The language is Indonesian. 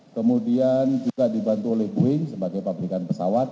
kemudian juga dibantu oleh boeing sebagai pabrikan pesawat